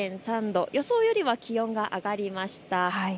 予想よりは気温が上がりました。